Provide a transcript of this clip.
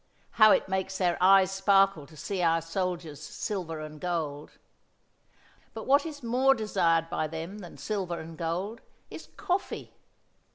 How it makes their eyes sparkle to see our soldiers' silver and gold. But what is more desired by them than silver and gold is coffee.